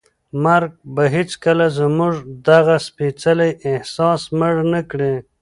مرګ به هیڅکله زموږ دغه سپېڅلی احساس مړ نه کړي.